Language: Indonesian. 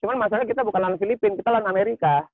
cuman masalahnya kita bukan lan filipina kita lan amerika